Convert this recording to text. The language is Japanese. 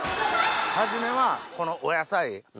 初めはこのお野菜。